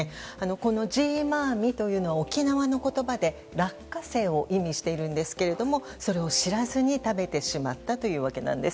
このジーマーミというのは沖縄の言葉で落花生を意味しているんですけれどもそれを知らずに食べてしまったというわけなんです。